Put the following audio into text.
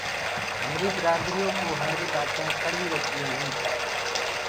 همري برآدري ڪوُ همري بآتينٚ ڪڙوي لگديونٚ هينٚ۔